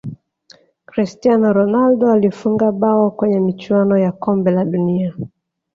cristiano ronaldo alifunga bao kwenye michuano ya kombe la dunia